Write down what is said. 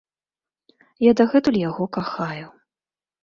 Я дагэтуль яго кахаю.